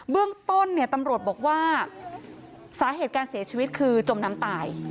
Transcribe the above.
เรื่องต้นเนี่ยตำรวจบอกว่าสาเหตุการเสียชีวิตคือจมน้ำตาย